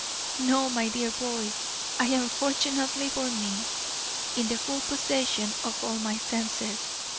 "No, my dear boy; I am, fortunately for me, in the full possession of all my senses.